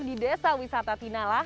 di desa wisata tinala